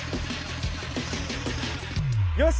よし！